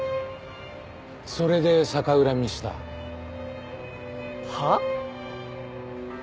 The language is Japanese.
それで逆恨みした？はあ？